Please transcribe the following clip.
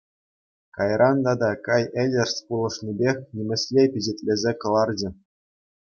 Кайран тата Кай Элерс пулӑшнипех нимӗҫле пичетлесе кӑларчӗ.